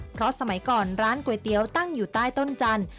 เพราะสมัยก่อนร้านก๋วยเตี๋ยวตั้งอยู่ใต้ต้นจันทร์